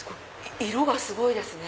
色がすごいですね。